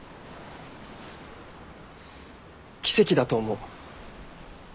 奇跡だと思う。